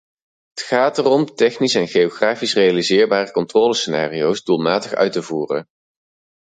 Het gaat erom, technisch en geografisch realiseerbare controlescenario's doelmatig uit te voeren.